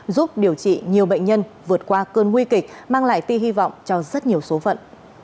giúp điều trị nhiều bệnh nhân vượt qua cơn nguy kịch mang lại tia hy vọng cho rất nhiều số phận